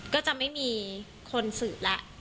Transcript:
ก็จะไม่มีคนสื่อและ